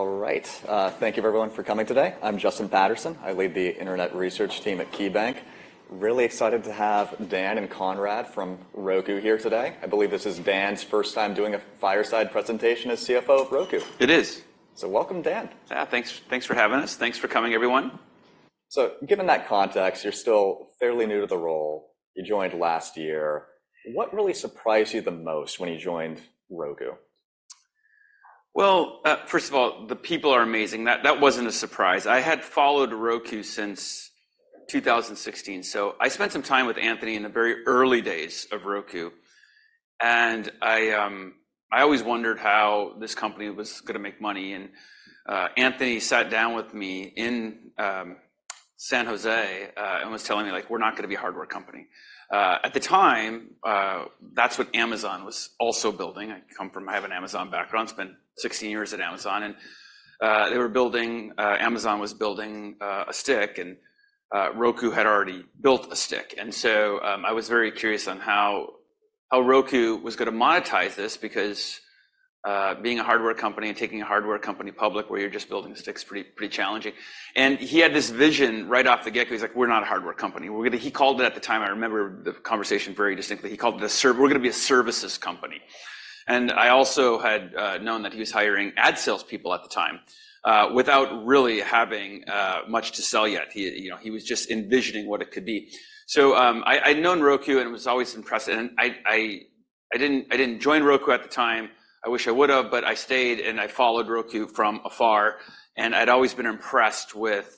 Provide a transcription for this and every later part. All right. Thank you, everyone, for coming today. I'm Justin Patterson. I lead the Internet Research Team at KeyBanc. Really excited to have Dan and Conrad from Roku here today. I believe this is Dan's first time doing a fireside presentation as CFO of Roku. It is. Welcome, Dan. Yeah, thanks, thanks for having us. Thanks for coming, everyone. Given that context, you're still fairly new to the role. You joined last year. What really surprised you the most when you joined Roku? Well, first of all, the people are amazing. That wasn't a surprise. I had followed Roku since 2016, so I spent some time with Anthony in the very early days of Roku. I always wondered how this company was gonna make money. Anthony sat down with me in San Jose and was telling me, like, "We're not gonna be a hardware company." At the time, that's what Amazon was also building. I come from. I have an Amazon background. Spent 16 years at Amazon. They were building. Amazon was building a stick, and Roku had already built a stick. So, I was very curious on how Roku was gonna monetize this because being a hardware company and taking a hardware company public where you're just building sticks is pretty challenging. He had this vision right off the get-go. He's like, "We're not a hardware company. We're gonna" — he called it at the time. I remember the conversation very distinctly. He called it a service. "We're gonna be a services company." And I also had known that he was hiring ad salespeople at the time, without really having much to sell yet. He, you know, he was just envisioning what it could be. So, I'd known Roku, and it was always impressive. And I didn't join Roku at the time. I wish I would have, but I stayed, and I followed Roku from afar. And I'd always been impressed with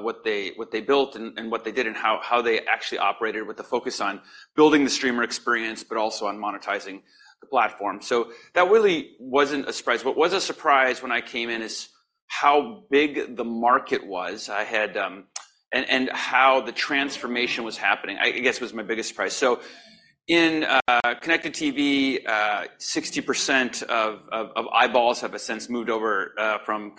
what they built and what they did and how they actually operated with a focus on building the streamer experience but also on monetizing the platform. So that really wasn't a surprise. What was a surprise when I came in is how big the market was and how the transformation was happening. I guess was my biggest surprise. So in Connected TV, 60% of eyeballs have essentially moved over, from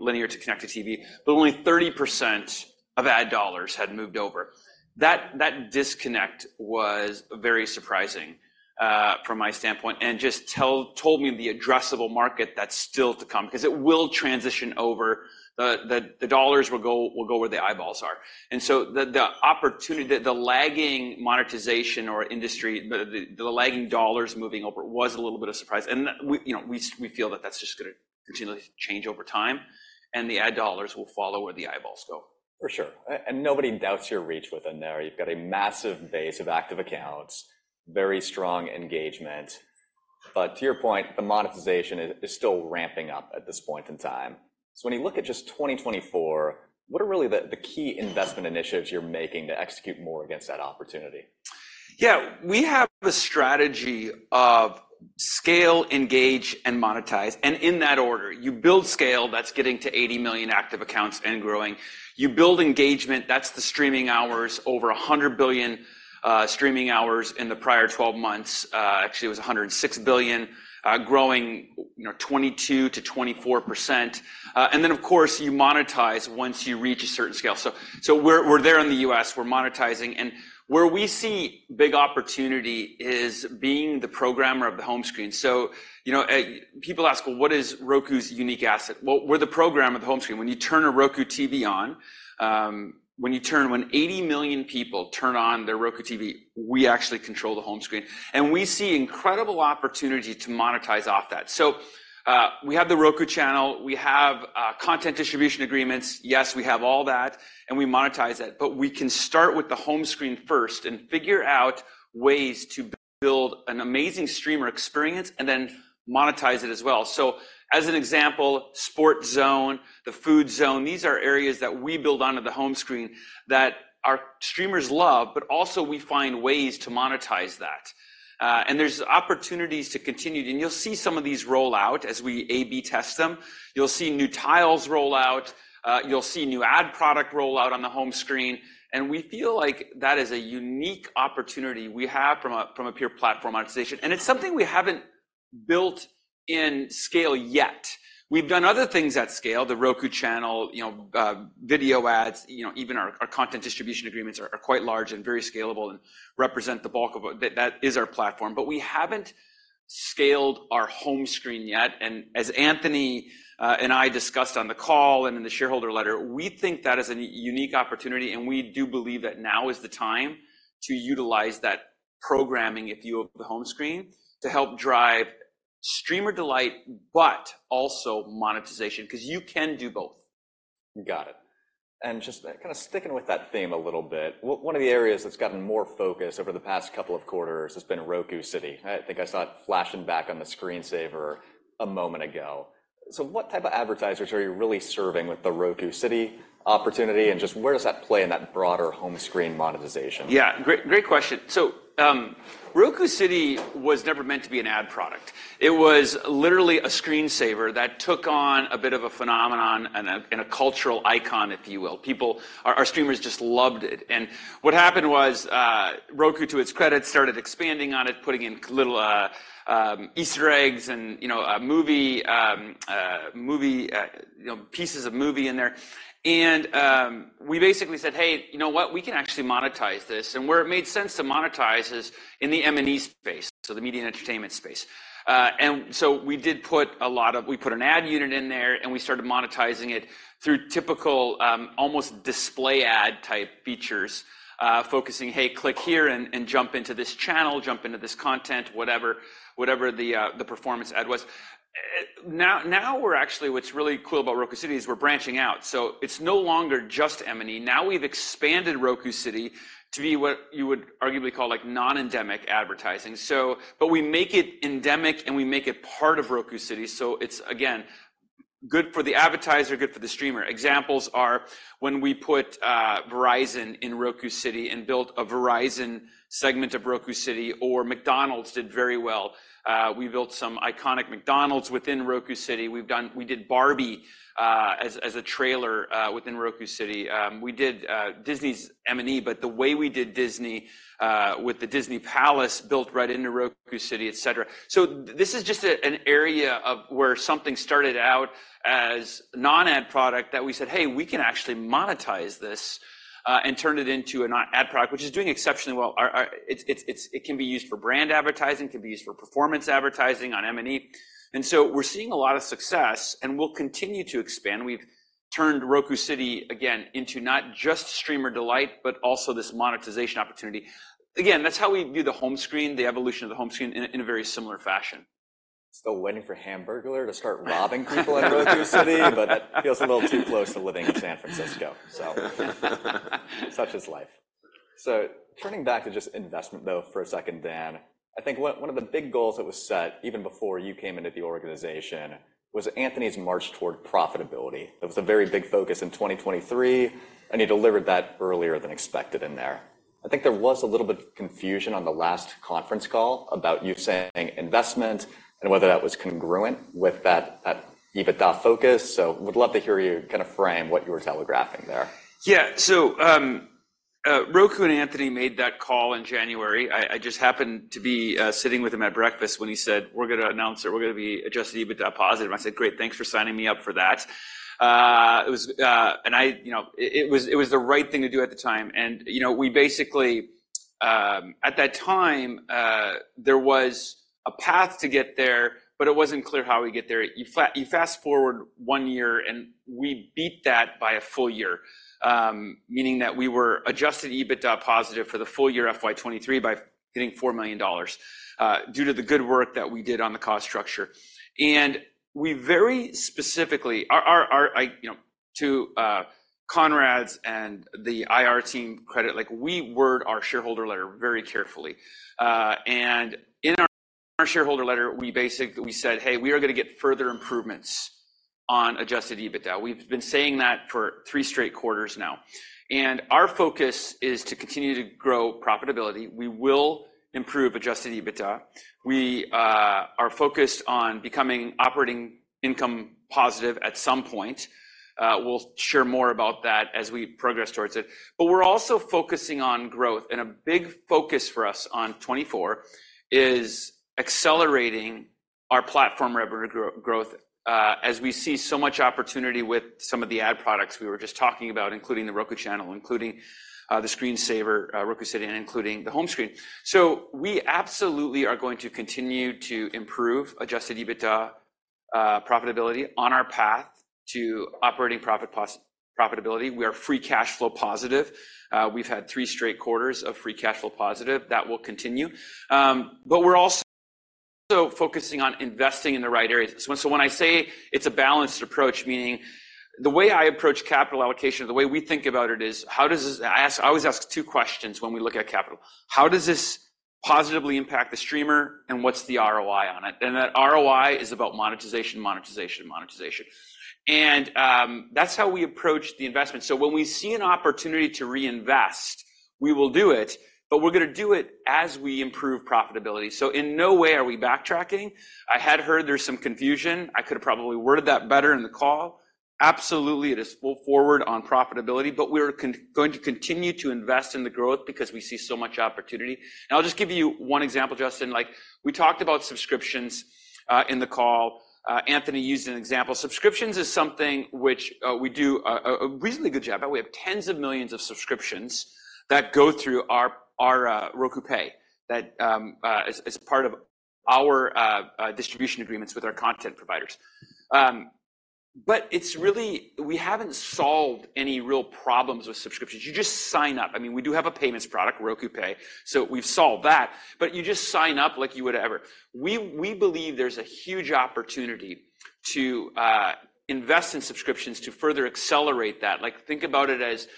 Linear to Connected TV, but only 30% of ad dollars had moved over. That disconnect was very surprising, from my standpoint and just told me the addressable market that's still to come because it will transition over. The dollars will go where the eyeballs are. And so the opportunity the lagging monetization or industry the lagging dollars moving over was a little bit of a surprise. And we, you know, we feel that that's just gonna continually change over time, and the ad dollars will follow where the eyeballs go. For sure. And nobody doubts your reach within there. You've got a massive base of active accounts, very strong engagement. But to your point, the monetization is still ramping up at this point in time. So when you look at just 2024, what are really the key investment initiatives you're making to execute more against that opportunity? Yeah. We have a strategy of scale, engage, and monetize. In that order, you build scale. That's getting to 80 million active accounts and growing. You build engagement. That's the streaming hours over 100 billion, streaming hours in the prior 12 months. Actually, it was 106 billion, growing, you know, 22%-24%. And then, of course, you monetize once you reach a certain scale. So, we're there in the U.S. We're monetizing. Where we see big opportunity is being the programmer of the home screen. So, you know, people ask, "Well, what is Roku's unique asset?" Well, we're the programmer of the home screen. When you turn a Roku TV on, when 80 million people turn on their Roku TV, we actually control the home screen. And we see incredible opportunity to monetize off that. So, we have the Roku Channel. We have content distribution agreements. Yes, we have all that, and we monetize that. But we can start with the home screen first and figure out ways to build an amazing streamer experience and then monetize it as well. So as an example, Sports Zone, the Food Zone, these are areas that we build onto the home screen that our streamers love, but also we find ways to monetize that. And there's opportunities to continue to and you'll see some of these roll out as we A/B test them. You'll see new tiles roll out. You'll see new ad product roll out on the home screen. And we feel like that is a unique opportunity we have from a from a pure platform monetization. And it's something we haven't built in scale yet. We've done other things at scale, The Roku Channel, you know, video ads, you know, even our content distribution agreements are quite large and very scalable and represent the bulk of that is our platform. But we haven't scaled our home screen yet. And as Anthony and I discussed on the call and in the shareholder letter, we think that is a unique opportunity, and we do believe that now is the time to utilize that programming, if you will, of the home screen to help drive streamer delight but also monetization because you can do both. Got it. And just kinda sticking with that theme a little bit, what one of the areas that's gotten more focus over the past couple of quarters has been Roku City. I think I saw it flashing back on the screensaver a moment ago. So what type of advertisers are you really serving with the Roku City opportunity, and just where does that play in that broader home screen monetization? Yeah. Great, question. So, Roku City was never meant to be an ad product. It was literally a screensaver that took on a bit of a phenomenon and a cultural icon, if you will. Our streamers just loved it. And what happened was, Roku, to its credit, started expanding on it, putting in little Easter eggs and, you know, a movie, you know, pieces of movie in there. And, we basically said, "Hey, you know what? We can actually monetize this." And where it made sense to monetize is in the M&E space, so the media and entertainment space. And so we put an ad unit in there, and we started monetizing it through typical, almost display ad type features, focusing, "Hey, click here and jump into this channel, jump into this content," whatever the performance ad was. Now we're actually what's really cool about Roku City is we're branching out. So it's no longer just M&E. Now we've expanded Roku City to be what you would arguably call, like, non-endemic advertising. So but we make it endemic, and we make it part of Roku City. So it's, again, good for the advertiser, good for the streamer. Examples are when we put Verizon in Roku City and built a Verizon segment of Roku City, or McDonald's did very well. We built some iconic McDonald's within Roku City. We've done Barbie, as a trailer, within Roku City. We did Disney's M&E, but the way we did Disney, with the Disney Palace built right into Roku City, etc. So this is just an area of where something started out as non-ad product that we said, "Hey, we can actually monetize this, and turn it into an ad product," which is doing exceptionally well. Our it's it can be used for brand advertising, can be used for performance advertising on M&E. And so we're seeing a lot of success, and we'll continue to expand. We've turned Roku City, again, into not just streamer delight but also this monetization opportunity. Again, that's how we view the home screen, the evolution of the home screen, in a very similar fashion. Still waiting for Hamburglar to start robbing people in Roku City, but that feels a little too close to living in San Francisco, so. Such is life. So turning back to just investment, though, for a second, Dan, I think one of the big goals that was set even before you came into the organization was Anthony's march toward profitability. That was a very big focus in 2023, and he delivered that earlier than expected in there. I think there was a little bit of confusion on the last conference call about you saying investment and whether that was congruent with that, that EBITDA focus. So would love to hear you kinda frame what you were telegraphing there. Yeah. So, Roku and Anthony made that call in January. I just happened to be sitting with him at breakfast when he said, "We're gonna announce that we're gonna be adjusted EBITDA positive." And I said, "Great. Thanks for signing me up for that." It was, and I, you know, it was the right thing to do at the time. And, you know, we basically at that time, there was a path to get there, but it wasn't clear how we'd get there. You fast forward one year, and we beat that by a full year, meaning that we were adjusted EBITDA positive for the full year FY 2023 by getting $4 million, due to the good work that we did on the cost structure. And we very specifically, our IR, you know, to Conrad and the IR team credit, like, we word our shareholder letter very carefully. And in our shareholder letter, we basically said, "Hey, we are gonna get further improvements on Adjusted EBITDA." We've been saying that for three straight quarters now. Our focus is to continue to grow profitability. We will improve Adjusted EBITDA. We are focused on becoming operating income positive at some point. We'll share more about that as we progress towards it. But we're also focusing on growth. And a big focus for us on 2024 is accelerating our platform revenue growth, as we see so much opportunity with some of the ad products we were just talking about, including The Roku Channel, including the screensaver, Roku City, and including the home screen. So we absolutely are going to continue to improve Adjusted EBITDA, profitability on our path to operating profitability. We are free cash flow positive. We've had three straight quarters of free cash flow positive. That will continue. But we're also focusing on investing in the right areas. So when I say it's a balanced approach, meaning the way I approach capital allocation, the way we think about it is, "How does this positively impact the streamer, and what's the ROI on it?" And that ROI is about monetization, monetization, monetization. And that's how we approach the investment. So when we see an opportunity to reinvest, we will do it, but we're gonna do it as we improve profitability. So in no way are we backtracking. I had heard there's some confusion. I could have probably worded that better in the call. Absolutely, it is full forward on profitability, but we are going to continue to invest in the growth because we see so much opportunity. And I'll just give you one example, Justin. Like, we talked about subscriptions, in the call. Anthony used an example. Subscriptions is something which we do a reasonably good job at. We have tens of millions of subscriptions that go through our Roku Pay that is part of our distribution agreements with our content providers. But it's really we haven't solved any real problems with subscriptions. You just sign up. I mean, we do have a payments product, Roku Pay, so we've solved that. But you just sign up like you would ever. We believe there's a huge opportunity to invest in subscriptions to further accelerate that. Like, think about it as,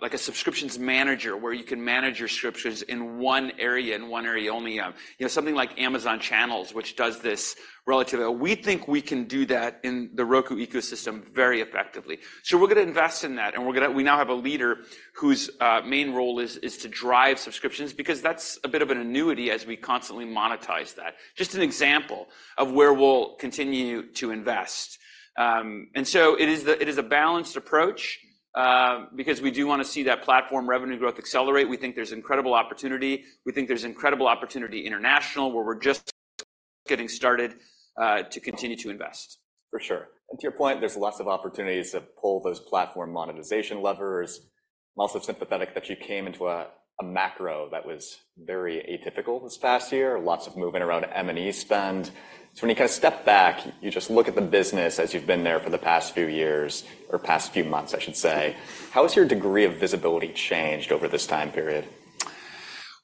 like a subscriptions manager where you can manage your subscriptions in one area, in one area only. You know, something like Amazon Channels, which does this relatively. We think we can do that in the Roku ecosystem very effectively. So we're gonna invest in that, and we're gonna. We now have a leader whose main role is to drive subscriptions because that's a bit of an annuity as we constantly monetize that, just an example of where we'll continue to invest. So it is a balanced approach, because we do wanna see that platform revenue growth accelerate. We think there's incredible opportunity. We think there's incredible opportunity international where we're just getting started, to continue to invest. For sure. And to your point, there's lots of opportunities to pull those platform monetization levers. I'm also sympathetic that you came into a macro that was very atypical this past year, lots of moving around M&E spend. So when you kinda step back, you just look at the business as you've been there for the past few years or past few months, I should say. How has your degree of visibility changed over this time period?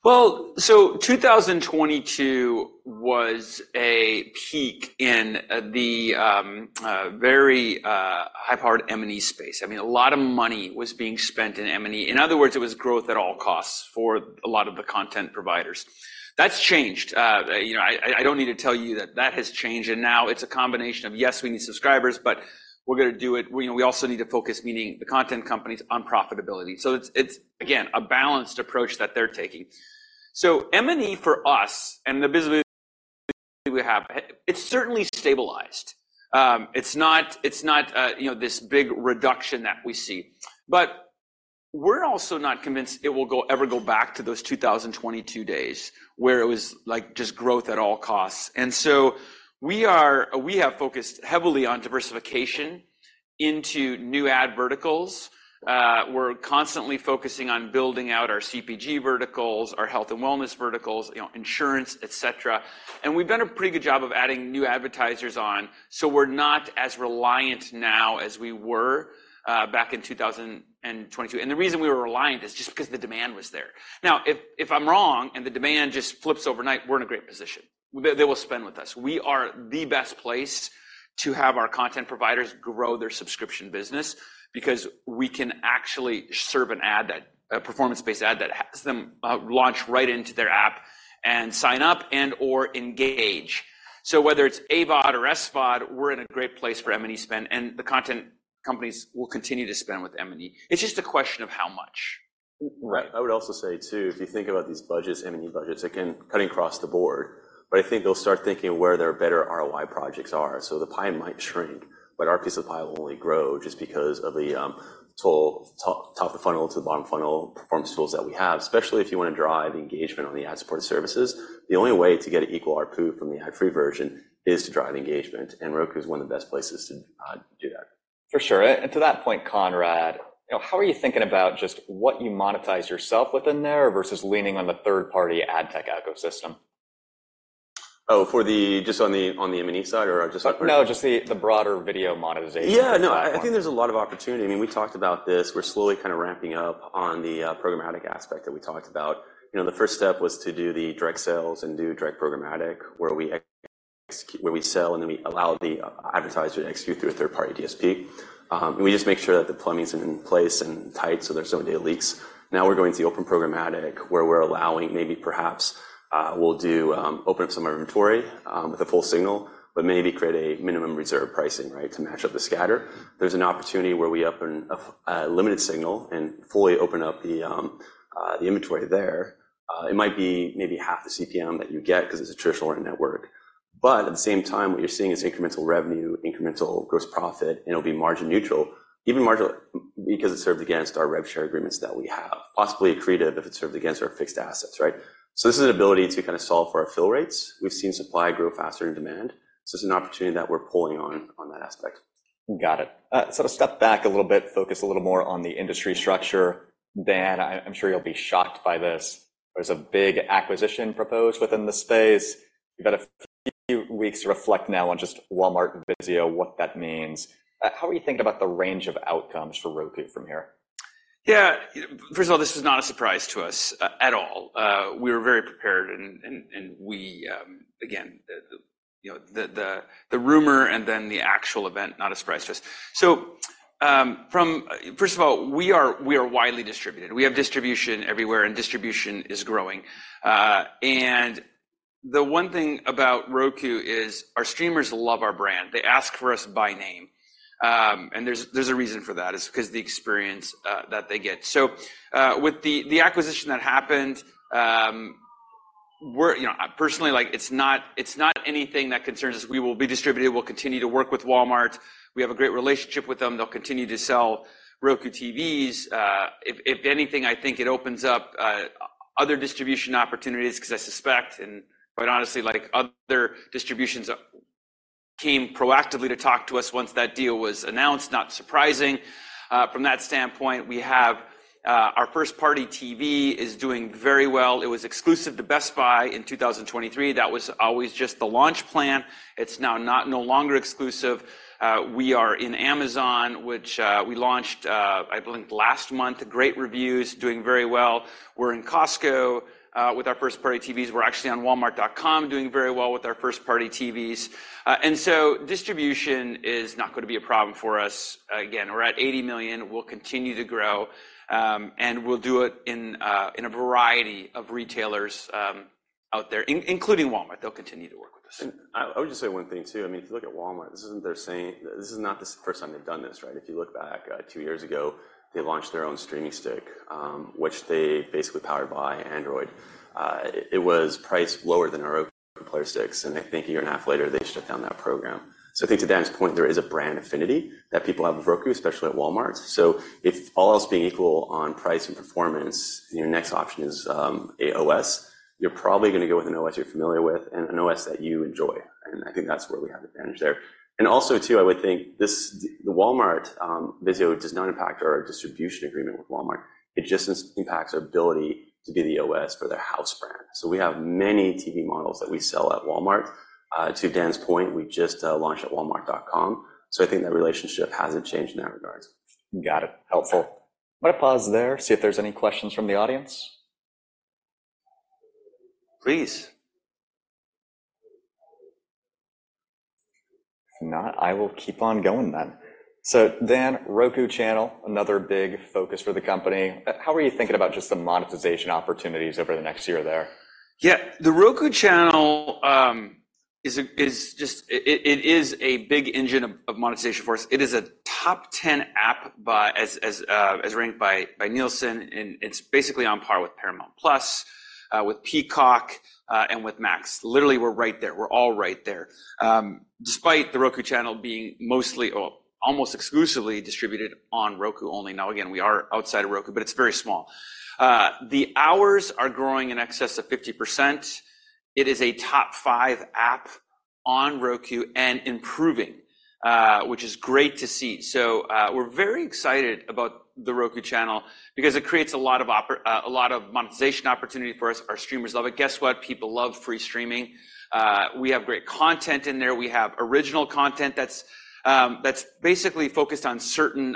Well, so 2022 was a peak in the very high-powered M&E space. I mean, a lot of money was being spent in M&E. In other words, it was growth at all costs for a lot of the content providers. That's changed. You know, I don't need to tell you that that has changed. And now it's a combination of, "Yes, we need subscribers, but we're gonna do it" you know, we also need to focus, meaning the content companies, on profitability. So it's, again, a balanced approach that they're taking. So M&E for us and the business we have, it's certainly stabilized. It's not, you know, this big reduction that we see. But we're also not convinced it will ever go back to those 2022 days where it was, like, just growth at all costs. And so we have focused heavily on diversification into new ad verticals. We're constantly focusing on building out our CPG verticals, our health and wellness verticals, you know, insurance, etc. We've done a pretty good job of adding new advertisers on, so we're not as reliant now as we were, back in 2022. The reason we were reliant is just because the demand was there. Now, if I'm wrong and the demand just flips overnight, we're in a great position. They will spend with us. We are the best place to have our content providers grow their subscription business because we can actually serve an ad that a performance-based ad that has them, launch right into their app and sign up and/or engage. So whether it's AVOD or SVOD, we're in a great place for M&E spend, and the content companies will continue to spend with M&E. It's just a question of how much. Right. I would also say, too, if you think about these budgets, M&E budgets, again, cutting across the board, but I think they'll start thinking of where their better ROI projects are. So the pie might shrink, but our piece of the pie will only grow just because of the top of the funnel to the bottom of the funnel performance tools that we have, especially if you wanna drive engagement on the ad-supported services. The only way to get an equal RPU from the ad-free version is to drive engagement, and Roku is one of the best places to do that. For sure. And to that point, Conrad, you know, how are you thinking about just what you monetize yourself within there versus leaning on the third-party ad tech ecosystem? Oh, for the just on the M&E side or just on. No, just the broader video monetization. Yeah. No, I think there's a lot of opportunity. I mean, we talked about this. We're slowly kinda ramping up on the programmatic aspect that we talked about. You know, the first step was to do the direct sales and do direct programmatic where we sell, and then we allow the advertiser to execute through a third-party DSP. And we just make sure that the plumbing's in place and tight so there's no data leaks. Now we're going to the open programmatic where we're allowing maybe perhaps we'll do open up some of our inventory with a full signal but maybe create a minimum reserve pricing, right, to match up the scatter. There's an opportunity where we open a limited signal and fully open up the inventory there. It might be maybe half the CPM that you get 'cause it's a traditional ad network. But at the same time, what you're seeing is incremental revenue, incremental gross profit, and it'll be margin neutral, even marginal because it served against our rev share agreements that we have, possibly accretive if it served against our fixed assets, right? So this is an ability to kinda solve for our fill rates. We've seen supply grow faster than demand. So it's an opportunity that we're pulling on, on that aspect. Got it. Sort of step back a little bit, focus a little more on the industry structure. Dan, I'm sure you'll be shocked by this. There's a big acquisition proposed within the space. You've had a few weeks to reflect now on just Walmart VIZIO, what that means. How are you thinking about the range of outcomes for Roku from here? Yeah. First of all, this is not a surprise to us at all. We were very prepared, and again, you know, the rumor and then the actual event, not a surprise to us. So, from first of all, we are widely distributed. We have distribution everywhere, and distribution is growing. And the one thing about Roku is our streamers love our brand. They ask for us by name. And there's a reason for that. It's 'cause the experience that they get. So, with the acquisition that happened, we're, you know, personally, like, it's not anything that concerns us. We will be distributed. We'll continue to work with Walmart. We have a great relationship with them. They'll continue to sell Roku TVs. If anything, I think it opens up other distribution opportunities 'cause I suspect and quite honestly, like, other distributors came proactively to talk to us once that deal was announced, not surprising. From that standpoint, we have our first-party TV is doing very well. It was exclusive to Best Buy in 2023. That was always just the launch plan. It's now not no longer exclusive. We are in Amazon, which we launched, I believe, last month, great reviews, doing very well. We're in Costco, with our first-party TVs. We're actually on Walmart.com doing very well with our first-party TVs. And so distribution is not gonna be a problem for us. Again, we're at 80 million. We'll continue to grow. And we'll do it in a variety of retailers out there, including Walmart. They'll continue to work with us. And I would just say one thing, too. I mean, if you look at Walmart, this isn't their saying this is not the first time they've done this, right? If you look back, two years ago, they launched their own streaming stick, which they basically powered by Android. It was priced lower than our Roku player sticks, and I think a year and a half later, they shut down that program. So I think to Dan's point, there is a brand affinity that people have with Roku, especially at Walmart. So if all else being equal on price and performance, your next option is an OS. You're probably gonna go with an OS you're familiar with and an OS that you enjoy. And I think that's where we have the advantage there. And also, too, I would think this, the Walmart VIZIO does not impact our distribution agreement with Walmart. It just impacts our ability to be the OS for their house brand. So we have many TV models that we sell at Walmart. To Dan's point, we just launched at Walmart.com. So I think that relationship hasn't changed in that regard. Got it. Helpful. I'm gonna pause there, see if there's any questions from the audience. Please. If not, I will keep on going then. So, Dan, Roku Channel, another big focus for the company. How are you thinking about just the monetization opportunities over the next year there? Yeah. The Roku Channel is just it. It is a big engine of monetization for us. It is a top 10 app as ranked by Nielsen. And it's basically on par with Paramount Plus, with Peacock, and with Max. Literally, we're right there. We're all right there, despite the Roku Channel being mostly or almost exclusively distributed on Roku only. Now, again, we are outside of Roku, but it's very small. The hours are growing in excess of 50%. It is a top five app on Roku and improving, which is great to see. So, we're very excited about the Roku Channel because it creates a lot of monetization opportunity for us. Our streamers love it. Guess what? People love free streaming. We have great content in there. We have original content that's basically focused on certain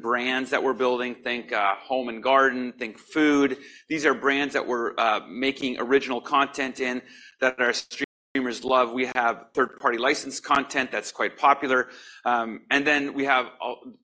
brands that we're building. Think, Home & Garden. Think food. These are brands that we're making original content in that our streamers love. We have third-party licensed content that's quite popular. And then we have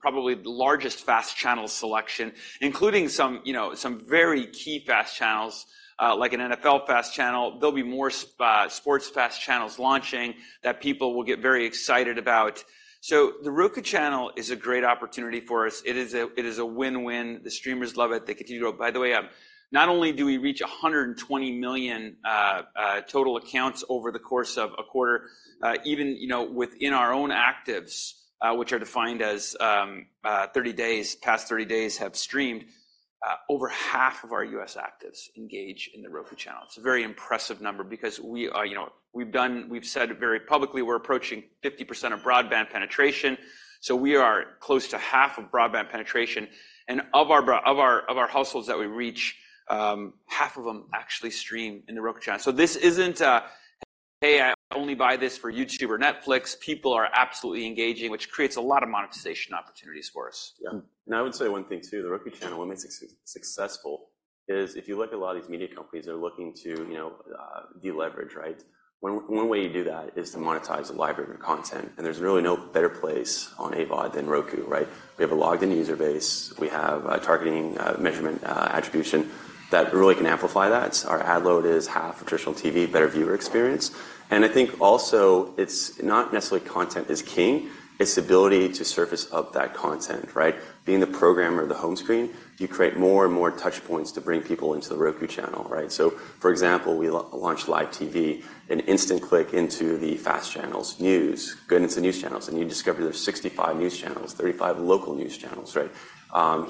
probably the largest FAST channel selection, including some, you know, some very key FAST channels, like an NFL FAST channel. There'll be more sports FAST channels launching that people will get very excited about. So the Roku Channel is a great opportunity for us. It is a win-win. The streamers love it. They continue to grow. By the way, not only do we reach 120 million total accounts over the course of a quarter, even, you know, within our own actives, which are defined as 30 days, past 30 days have streamed, over half of our US actives engage in the Roku Channel. It's a very impressive number because we are, you know, we've said very publicly we're approaching 50% of broadband penetration. So we are close to half of broadband penetration. And of our broadband households that we reach, half of them actually stream in the Roku Channel. So this isn't, "Hey, I only buy this for YouTube or Netflix." People are absolutely engaging, which creates a lot of monetization opportunities for us. Yeah. And I would say one thing, too. The Roku Channel, what makes it successful is if you look at a lot of these media companies, they're looking to, you know, de-leverage, right? One way you do that is to monetize a library of content. And there's really no better place on AVOD than Roku, right? We have a logged-in user base. We have targeting, measurement, attribution that really can amplify that. Our ad load is half of traditional TV, better viewer experience. And I think also, it's not necessarily content is king. It's the ability to surface up that content, right? Being the programmer, the home screen, you create more and more touchpoints to bring people into The Roku Channel, right? So, for example, we launch live TV, an instant click into the FAST channels, news, going into the news channels. You discover there's 65 news channels, 35 local news channels, right?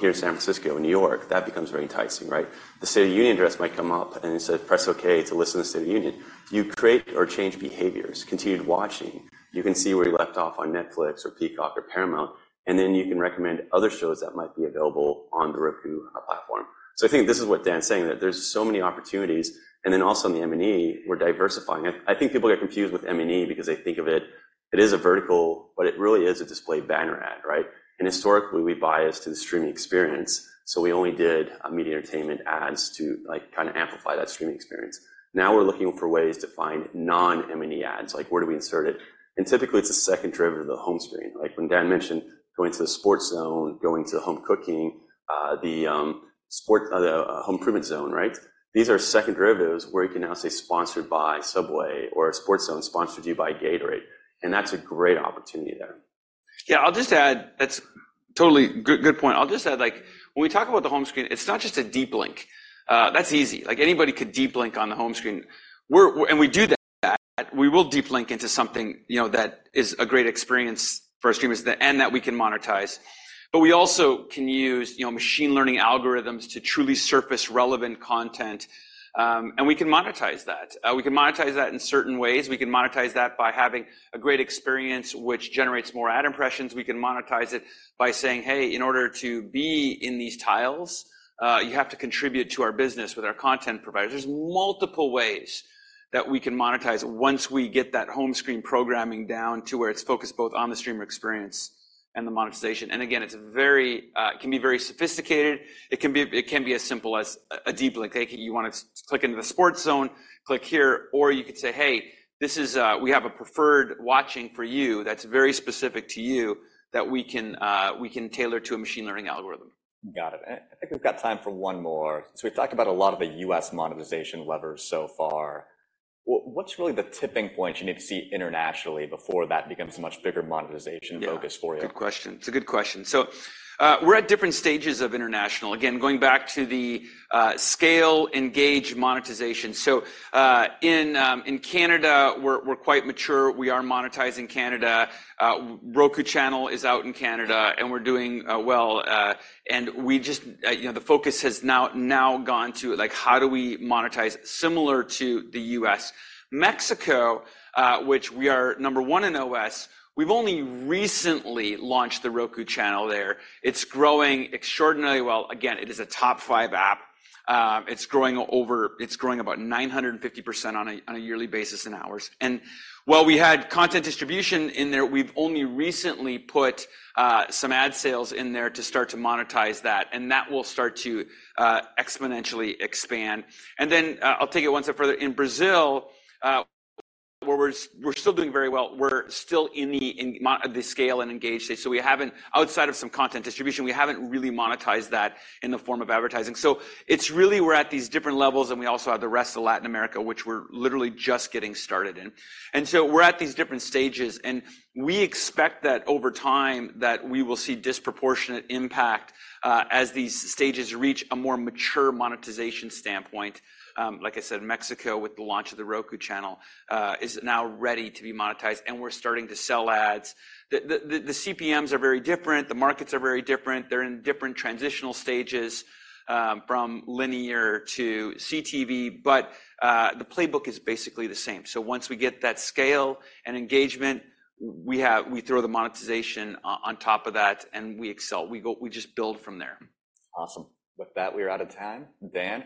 Here in San Francisco and New York, that becomes very enticing, right? The State of the Union address might come up, and it says, "Press okay to listen to the State of the Union." You create or change behaviors, continued watching. You can see where you left off on Netflix or Peacock or Paramount. And then you can recommend other shows that might be available on the Roku platform. So I think this is what Dan's saying, that there's so many opportunities. And then also in the M&E, we're diversifying. I, I think people get confused with M&E because they think of it it is a vertical, but it really is a display banner ad, right? And historically, we biased to the streaming experience, so we only did, media entertainment ads to, like, kinda amplify that streaming experience. Now we're looking for ways to find non-M&E ads, like, where do we insert it? And typically, it's the second derivative of the home screen. Like, when Dan mentioned going to the Sports Zone, going to the home cooking, the sports, the home improvement zone, right? These are second derivatives where you can now say, "Sponsored by Subway," or, "Sports Zone sponsored by Gatorade." And that's a great opportunity there. Yeah. I'll just add that's totally good, good point. I'll just add, like, when we talk about the home screen, it's not just a deep link. That's easy. Like, anybody could deep link on the home screen. We're and we do that. We will deep link into something, you know, that is a great experience for our streamers and that we can monetize. But we also can use, you know, machine learning algorithms to truly surface relevant content. And we can monetize that. We can monetize that in certain ways. We can monetize that by having a great experience which generates more ad impressions. We can monetize it by saying, "Hey, in order to be in these tiles, you have to contribute to our business with our content providers." There's multiple ways that we can monetize once we get that home screen programming down to where it's focused both on the streamer experience and the monetization. And again, it's very; it can be very sophisticated. It can be as simple as a deep link. They can you wanna click into the Sports Zone, click here, or you could say, "Hey, this is; we have a preferred watching for you that's very specific to you that we can, we can tailor to a machine learning algorithm. Got it. I think we've got time for one more. We've talked about a lot of the U.S. monetization levers so far. What's really the tipping point you need to see internationally before that becomes a much bigger monetization focus for you? Yeah. Good question. It's a good question. So, we're at different stages of international. Again, going back to the scale, engage, monetization. So, in Canada, we're quite mature. We are monetizing Canada. Roku Channel is out in Canada, and we're doing well. And we just, you know, the focus has now gone to, like, how do we monetize similar to the U.S.? Mexico, which we are number one in OS, we've only recently launched the Roku Channel there. It's growing extraordinarily well. Again, it is a top five app. It's growing about 950% on a yearly basis in hours. And while we had content distribution in there, we've only recently put some ad sales in there to start to monetize that. And that will start to exponentially expand. And then, I'll take it one step further. In Brazil, where we're still doing very well, we're still in the scale and engage state. So we haven't outside of some content distribution, we haven't really monetized that in the form of advertising. So it's really we're at these different levels. And we also have the rest of Latin America, which we're literally just getting started in. And so we're at these different stages. And we expect that over time, that we will see disproportionate impact, as these stages reach a more mature monetization standpoint. Like I said, Mexico with the launch of the Roku Channel is now ready to be monetized. And we're starting to sell ads. The CPMs are very different. The markets are very different. They're in different transitional stages, from linear to CTV. But the playbook is basically the same. So once we get that scale and engagement, we throw the monetization on top of that, and we excel. We just build from there. Awesome. With that, we are out of time. Dan.